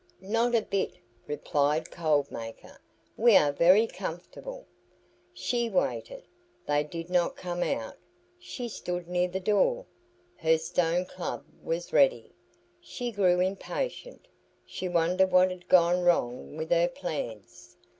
"Not a bit," replied Cold Maker. "We are very comfortable." She waited. They did not come out. She stood near the door. Her stone club was ready. She grew impatient. She wondered what had gone wrong with her plans.